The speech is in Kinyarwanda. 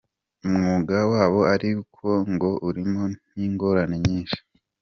Umwuga wabo ariko ngo urimo n’ingorane nyinshi.